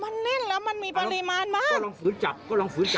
มันแน่นแล้วมันมีปริมาณมาก